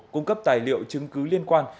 cung cấp tài liệu chứng cứ liên quan